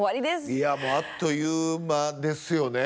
いやあっという間ですよね。